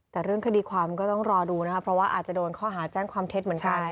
แต่เรื่องคดีความก็ต้องรอดูนะครับเพราะว่าอาจจะโดนข้อหาแจ้งความเท็จเหมือนกัน